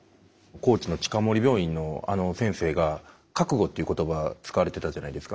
高知の近森病院の先生が覚悟という言葉を使われてたじゃないですか。